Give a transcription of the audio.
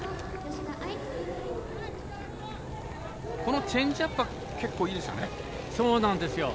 このチェンジアップは結構、いいですよね。